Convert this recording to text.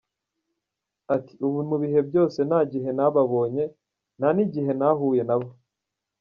Ati: “Mu bihe byose nta gihe ntababonye , nta n’igihe ntahuye nabo.